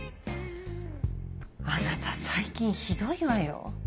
あなた最近ひどいわよ。